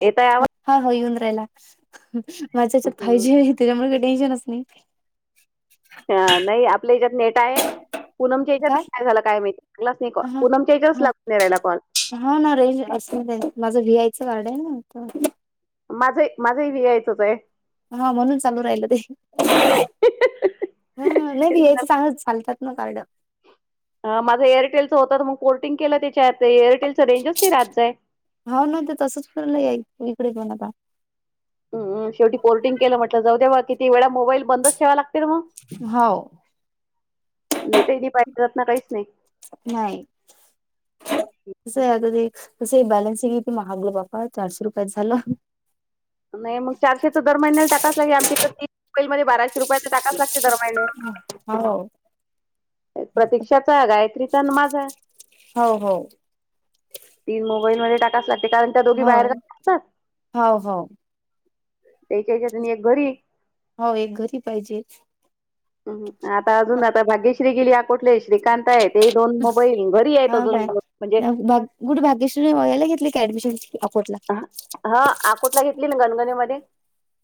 येत आवा हा हो येऊन राहिला माझ्याच्यात फाय हम्म. जी हो त्यामुळे काही टेन्शनच नाही ह नाही आपल्याच्यात नेट आहे. पनम च्यातच काय झालं काय माहिती लागलाच नाही कॉल, हा पूनमच्या ह्याज्यातच हा लागून नाही रायला कॉल. हा ना रेंज असं माझं वहीआयचं कार्ड आहे ना आता माझ माझंही विआयचच आहे हा म्हणून चालू राहिल ते हम नाही भि यायचं चांगच चालतात ना कार्ड ह माझा एअरटेलचं होत तर मग कोर्टिंग केलं त्याच्यात एअरटेलचं रेंजच नाही राच आहे. होा ना ते तसंच फरलं याई इकडेच बण आता हमम शेवट पोर्टिंग केलं म्हटलं जाऊ देव्हा किती वेळा मोबाईल बंदच ठेवा लागते मग हो नेटी पाहिज जात ना काहीच नाही नाही. त आहे आता ते तसं बॅलन्सिंगती महागलं बापा चारशे रुपयाच झालं. नाही मग चारशेचा दर महिन्याला टाकाच लागे आम इथ ती मोबाईल म बाराशे रुपया टाकाच लागते तर महिने हो हो प्रतीक्षाचा गायत्रीचा आणि माझा हो हो तीन मोबाईल म टाकायच लाते कारण त्या दोघी हो बाहेर असतात हो हो एक इथं न्यायचं एक घरी हो एक घरी पाहिजेच आता अजून आता भाग्यश्री गिली अकोठले श्रीकांत आहेत ते दोन मोबाईल घरी आहेत अजून म्हणजे गुड भाग्यश्री गोव्याला घेतली काय ॲडमिशन अकोटला? हा आकोटला घेतली ना गणगनेमध्ये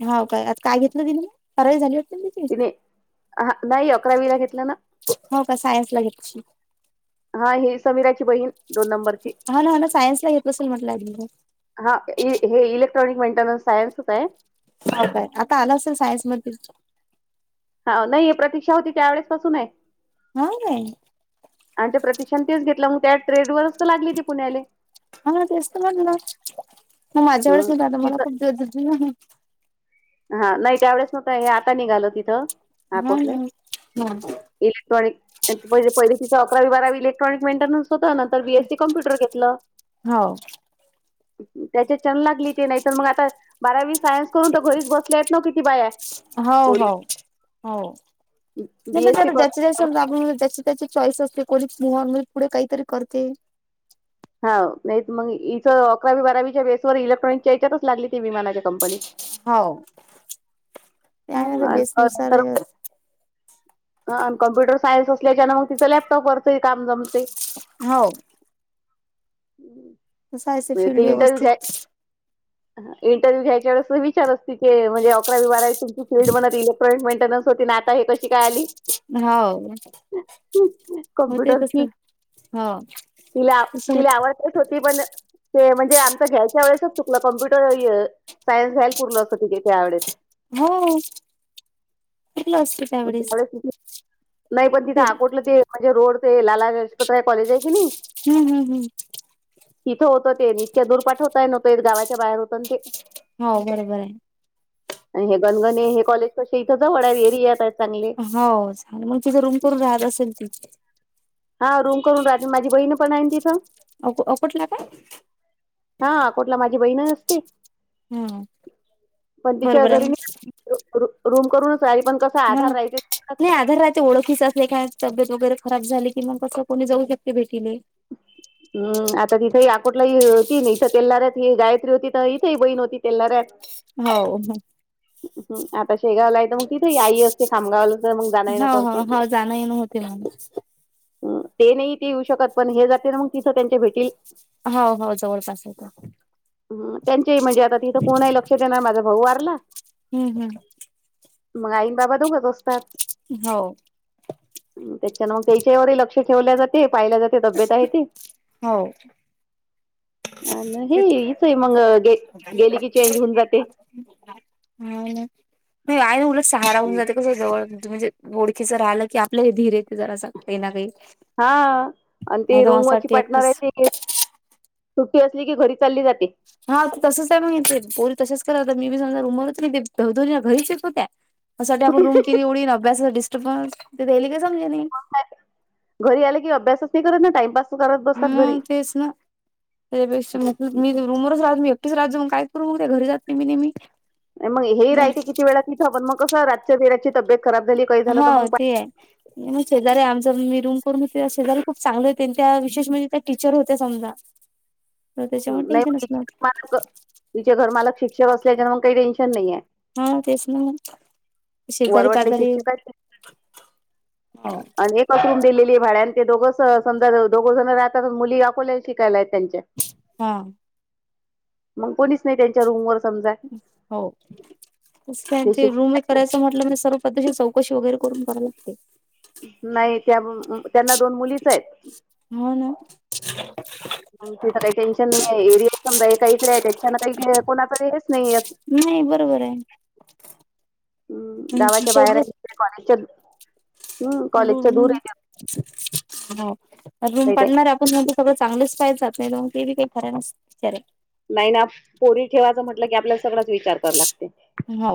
हो काय आता काय घेतलं तिने म करावी झाली होटते त्या ह नाही अकरावीला घेतलं ना हो का सायन्स ला घेतची हा ही समीराची बहीण दोन नंबरची हो ना हो ना सायन्सला घेत असेल म्हटलं ॲडमिशन हा हे इलेक्ट्रॉनिक मेंटेन्स सायन्स होत आहे. हाव काय? आता आलं असेल सायनस मध्ये हा नाही प्रतीक्षा होती त्यावेेळेस पासून आहे. हा काय? आणि ते प्रतिक्षण तेच घेतलं मग त्या ट्रेड वरच तर लागली ती पुण्याले हा तेच तर म्हटलं मग माझ्या वर हम्म ते आता मला तिथं खूप जाते हह हा नाही त्यावेेळेस नव्हतं हे आता निघाल तिथं अकोटले इलेक्ट्रॉनिक म्हणजे पहि तिचा अकरावी बारावी इलेक्ट्रॉनिक मेंटेनन्स होत ना तर बीएससी कम्प्युटर घेतलं. हा हा त्याच्या क्षण लागली ते नाहीतर मग आता बारावी सायन्स करून तो घरीच बसले आहेत नव की ती बाया हो पोरी हो हो. बीएससी करून [unintelligible] त्याचे चॉईस असते कोणीह नॉर्मली पुढे काहीतरी करते. हा नाही मग इथं अकरावी बारावीच्या बेसवर इलेक्ट्रॉनिकच्या हेच्यातच लागली ती विमानाच्या कंपनीत. हो ते आहे हम्म, ना आणि बेसनुसार ह आणि कॉम्प्युटर सायन्स असल्याच्यान मग तिचं लॅपटॉपवरचही काम जमते हो कसं आहे म्हणजे फील्ड ते इंटरव्यू घ्याय व्यवस्थित इंटरव्ह्यू घ्यायच्या वेळेस विचार असते क म्हणजे अकरावी बारावी तुमचं फील्ड म्हणा ते इलेक्ट्रॉनिक मेंटेनन्स होते अन आता हे कश हो होते तस कॉम्प्युटरची हो. तिला तसं तिला आवडतेच होती पण ते म्हणजे आमचा घ्यायच्या वेळेसच चुकलं कॉम्प्युटर सायन्स घ्याय उरल असं तिथे त्यावेेळेस हो घेतलं असेल. त्यावेळेस तिथ नाही पण ते तिथे हम्म अकोटलं ते म्हणजे रोड ते लाला लजपतराय कॉलेज आहे कि नाही? हम्म हम्म हम्म इथं होतं ते आणि इतक्या दूर पाठवताय नव पेठगावाच्या बाहेर होत ना ते. हो बरोबर आहे आणि हे गणगणे हे कॉलेज कसे इथ जवड एरियात आहेत चांगले. हो झालं मग तिथं रूम करून राहत असेल ती हा रूम करून राहते, माझी बहीण पण आहे ना तिथं. ओप ऑपटला काय? हा अकोटला माझी बहीण असती. हा पण तिच्या बरोबर आहे घरी नई का, रु रु रूम करूनच राहिली पण कस हो ना नाही आधार राते ओळखीच असले काय तब्येत वगैरे खराब झाली कि मग कसं कोणी जाऊ शकते भेटीले. हम्म आता तिथेही आकोटला ह होती इथं तेलऱ्यात ही गायत्री होती तर इथेही बहीण होती तेलऱ्यात. हो ह. हम्म आता शेगावला आहे तर मग तिथे आई असते खामगावला तर मग जाणं येणं हो हो करते. हो जाण येन होते ना म ते नाही इथे येऊ शकत पण हे जाते ना मग तिथं त्यांच्या भेटील हो हो जवळपास आहेेत. ह त्यांच्याही म्हणजे आता तिथं कोणाही लक्षात येईनाय माझा भाऊ वारला हम्म हम्म. मग आई अन बाबा दोघच असतात. हो त्याच्यान मग त्याच्यावर लक्ष ठेवल्या जाते पाहिल्या जात हो.. अ हे तेच इच आहे मग गे गेली की चेंज होऊन जाते. हा आहे ना उलट सहारा होऊन हम्म. जाते कस जवळ तुम्ही म्हणजे ओळखीच राहलं की आपल्या धीर येत जरा अस काही ना काही हा आणि नाही ते तर असं रूमवरची वाटते पार्टनर एकटंच आहे ती सुट्टी असली की घरी चालली जाते हा तसच आहे म्हणे ते पोरी तसच कराता मी बी समजा रूमच नाही ते [unintelligible] ध घरीच येत होत्या. अससाठी आपण रूम केली एवढी अभ्यासा डिस्टर्बन्स तेेईली का समजे नाही. घरी आले कि अभ्यास स कर ना टाईम पास हम्म मग तेच ना त्यापेक्षा मी रुमवरच राहत मी एकटेच राहतो मग काय करू घरी जात नेहमी नेहमी नाही मग हे राहते किती वेळा तिथं पण मग कस रातच्या बीराची तब्येत खराब झाली काही झालं तर हा मग. ते आहे मग शेजारी आमचा मी रूम करून शेजारी खूप चांगले होते त्या विशेष म्हणजे त्या टीचर होते समजा [inaudible] तर ह त्याच्यामुळे नाही मग टेन्शनच ति नव्हतं मालक तिचे घरमालक शिक्षक असल्याच्या मग काही टेन्शन नाहीे. हा तेस ना शेजारी वरवटले पाजारी शिक्षक आहेत ते हो पसरून दिलेली भाड्यानी आणि ते दोघंच समजा दोघ जण राहतात मुली अकोल्याला शिकायला आहेत त्यांच्या हा मग कोणीच नाही त्यांच्या रूमवर समजा हो ते रूम एक करायचं म्हटलं मी सर्व पद्धतीची चौकशी वगैरे करून करा लागते. नाही त्या त्यांना दोन मुलीच आहेत. हो ना तिचं काही टेन्शन नाही आहे एरिया समजा आहे काहीतरी त्याच्याना काही कोणाच रच नाही नाही बरोबर आहे हम् गावाच्या बाहेर सोबत [unintelligible] कॉलेजच्या हम्म कॉलेजच्या दूर रूम हो रूम आहे ते पडणार आप पण मग ते सगळं चांगलेच पाहिज जात नाहीग ते बी काही फराय ना विचारे नाही ना पोरी ठेवायचं म्हटलं की आपल्याला सगळंच विचार करा लागते. हो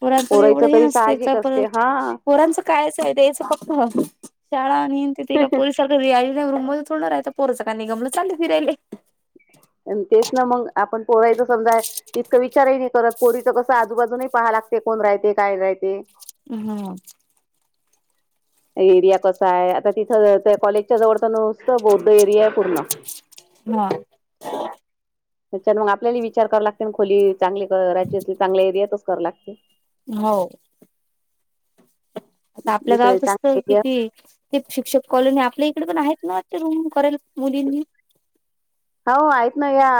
पोरांच एवढं पोरायचं हे तरी नसते का साहजिक असते परत हा पोरांचं कायच आहेच द्याच फक्त शाळा नन तथ का पु सार रिया नाही रूम मध्ये थोडं पोरचं का नि गमलं चाल फिरायले. तेस ना मग आपण पोरायच समजा इतकं विचारही नाही करत पोरीच कसं आजूबाजूही पहा लागते कोण राहते काय राहते? ह हा [inaudible] एरिया कसा आहे आता तिथं त्या कॉलेजच्या जवळचा नुसतं बौद्ध एरिया आहे पूर्ण हा त्याच्यान मग आपल्याला विचार करा लागते ना खोली चांगली करायची असेल चांगल्या एरियात कराया लागते. हो.. आता आपल्या इकडे गावातस चांगला एरिया किती ते शिक्षक कॉलनी आपल्या इकडे पण आहेत ना ते रूम करायला मुलींनी हो आहेत ना या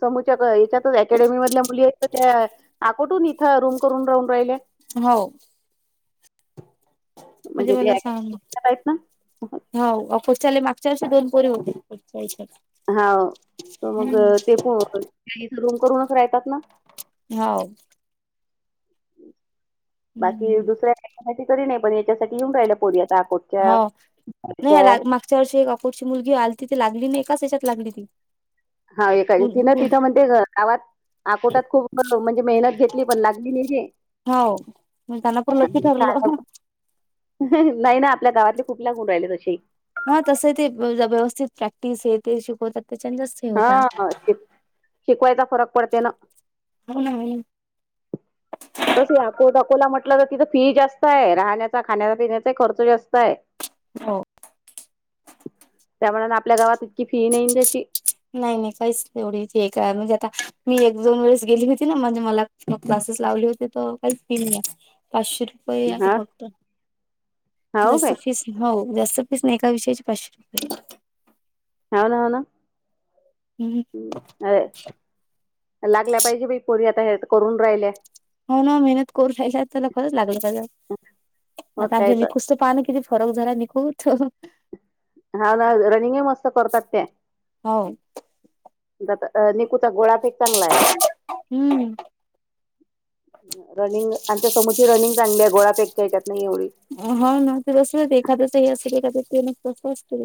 समूच्या याच्यातच अकॅडमी मधल्या मुली आहेत ना त्या. आ कोठून इथं रूम करून राहून राहिले. हो म्हणजे ते मला सांग अकॅडमीच्याच आहेत ना हो ऑफोस्ले मागच्या वर्षी दोन पोरे होते हावू तर मग ते प रूम करूनच राहतात ना हो. बाकी दुसर्या कशासाठी नाही पण याच्यासाठी येऊन राहिलं पोरी आता आकोत हो नाही मागच्या वर्षी एक अकोटची मुलगी आलीती ती लागली नाही कश्यात लागली ती? हा एकान तिनं तिथं म्हणतेे गावात आकोटात खूप म्हणजे मेहनत घेतली पण लागली नि रे. हो. मग त्यांना पण लकी आणि इथं ठरलं. आल्या- नाही ना आपल्या गावातले खूप लागुण राहिलेत तसे. ह तसं ते व्यवस्थित प्रॅक्टिस हे ते शिकवतात त्याच्या जास्त हा शी शिकवायचा फरक पडते ना. हो ना ओ. तस अको अटाकोला म्हटलं तर तिथं फी जास्त आहे राहण्याचा खाण्याचा पिण्याचा खर्च जास्त आहे. हो. त्यामानान आपल्या गावात इतकी फी नाही त्याची नाही नाही काहीच एवढीच काय म्हणजे आता मी एक दोन वेळेस गेली होती ना म्हणजे मला मग क्लासेस लावले होते तर काही फी नाही आहे पाचशे रुपे वय आता हा फक्त हो जस काय फी हो जास्त पीसनेका विषयाची पाचशे हो ना होव ना. हम्. अर लागल्या पाहिजे बाई पोरी आता हेच करून राहिल्या. हो ना मेहनत करू राहिला तरला खरंच लागलं का मग आता काय आमच्या निकूस तर पाहण किती फरक झाला निकू हा ना रनिंग ही मस्त करतातेे त्या. हो दत अ निकूचा गोळा पेक चांगला आहे. हम्म रनिंग आमच्या समुची रनिंग चांगली आहे गोळा पेकच्या याच्यात नाही एवढी हो ना ते बस एखाद्याच अस ए तसं नसत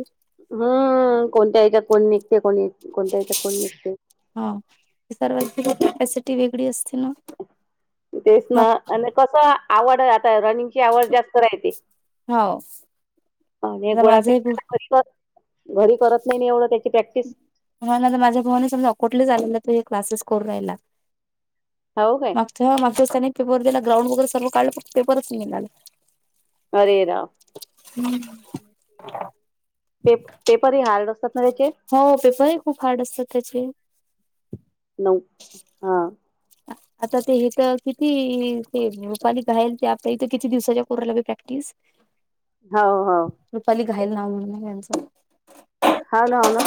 हम कोणत्या याच्यात कोण निघते कोणी कोणत्या याच्यात कोण निघते. हा सर्वांची कपसिटी वेगळी असते ना. तेच ना मग आणि कस आवड आता रनिंगची आवड जास्त रायची हो. आणि आता गोळा माझं एक हो फेक घरी करत नाही एवढं त्याची प्रॅक्टिस. हो ना तर माझ्या भावाने समजा कुठलेच आनंदाताई हे क्लासेस करून रायला. हो काय? माग मागच्या त्यानी पेपर दि ग्रांड बगुन सर्व काढलं फक् पेपरच निघाला. अरे राम! हम्म [unintelligible] पे पेपरही हार्ड असतात ना त्याचे. हो पेपरही खूप हार्ड असतात त्याचे. नऊ हां. आता ते हे तर किती ते मपालिक राहेल ते आपता इथं किती दिवसाच्या पोराला प्रॅक्टिस हो हो. रुपाली घायल नाव म्हणूनये त्यांचं. हा ना हा ना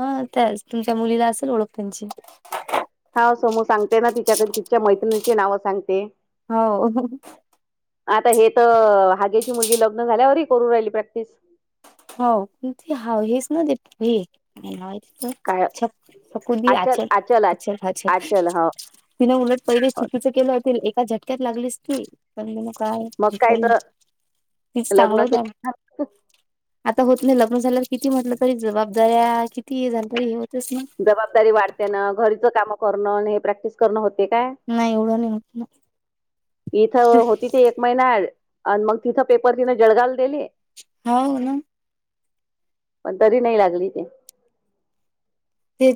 हा त्याच तुमच्या मुलीला असेल ओळख त्यांची. हा समु सांगते ना तिच्याकडे तिच्या मैत्रिणीची नाव सांगते. हो. आता हे तर हाग्याची मुलगी लग्न झाल्यावरही करू राहिली प्रॅक्टिस. हो ते ह हेच ना ते हे काय आचल आचल आच [unintelligible] आचल हो तिन उलट पहिले हो शिकतीच केलं. ते एका झटक्यात लागलीच ती, पण म मग काय मग काय तर तीच लग्न चांगल जा. केलं ना, आता होत नाही लग्न झाल्यावर किती, म्हटलं तरी जबाबदाऱ्या किती हे झालं तरी हे होतंच नाही. जबाबदारी वाढते ना, घरच काम करणं हे प्रॅक्टिस करणं होते काय? नाही एवढं नाही होत ना इथं होती ते, एक महिना आणि मग तिथं पेपर तिने जळगावला दिली. होव ना. पण तरी नाही लागली ते,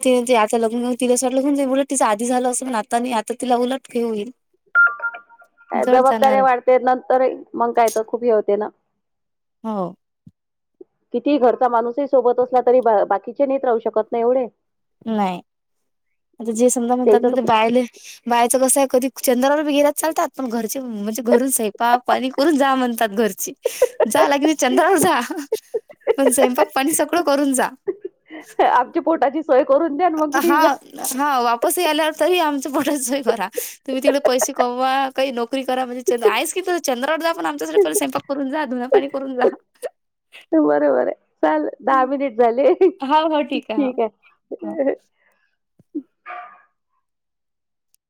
ते जे आता लग्नं तिला वाटलं उलट तिचं आधी झालं, असण आता आता तिला उलट हे होईल. काय जड जाणार जबाबदाऱ्या वाढते, नंतर मंग काय तर खूप हे होते ना. हो. कितीही घरचा माणूसही सोबत असला, तरी बाकीचे नेत राहू शकत नाही एवढे. नाही आता जे, समजा म्हणतात त्याच ना तर ते बायले. बायचं कसं आहे, कधी चंद्रावर बी गेलात चालतात. पण घरचे म्हणजे, घरून स्वयंपाक पाणी करून जा म्हणतात घरची. जा लगे चंद्रावर जा, पण स्वयंपाक पाणी सगळं करून जा. आमच्या पोटाची सोय करून द्या मग कुठ ही हा जा. हा वापसही आल्यावर तही, आमचं पोटच भरा तुम्ही तिकडे पैसे कमवा. काही नोकरी करा म्हणजे चंद आहेच की त चंद्रावर जा पण आमच्यासाठी स्वयंपाक करून जा धुन पाणी करून जा. ते बरोबर आहे, चाल दहा मिनिट झाले. हो हो, ठीक ये हो. हो [unintelligible]